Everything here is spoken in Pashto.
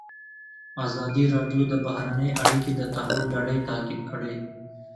ازادي راډیو د بهرنۍ اړیکې د تحول لړۍ تعقیب کړې.